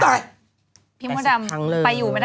๘๐ครั้งเลย